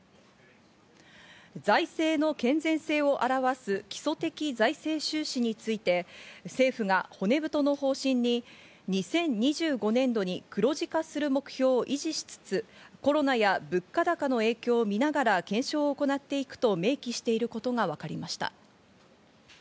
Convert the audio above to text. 財政の健全性を表す基礎的財政収支について、政府が骨太の方針に２０２５年度に黒字化する目標を維持しつつ、コロナや物価高の影響を見ながら検証を行っていくと明記していることがわかりました。